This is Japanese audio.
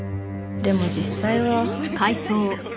でも実際は。